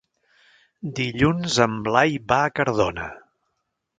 Dilluns en Blai va a Cardona.